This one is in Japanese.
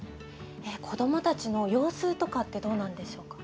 子どもたちの様子とかってどうなんでしょうか？